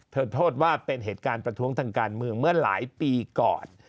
โทษว่าเป็นเหตุการณ์ประท้วงทางการเมืองเมื่อหลายปีก่อน